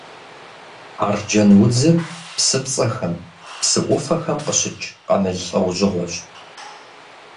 Арджэнудзыр псыпцӏэхэм, псы ӏуфэхэм къыщыкӏ къамыл лӏэужьыгъуэщ.